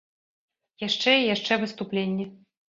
Яшчэ і яшчэ выступленні.